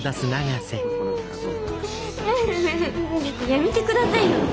やめてくださいよ！